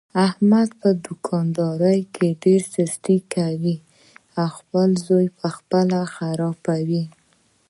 احمد په دوکاندارۍ کې ډېره سستي کوي، خپله روزي په خپله خرابوي.